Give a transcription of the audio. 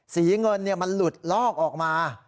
สีเงินเนี่ยมันหลุดลอกออกมา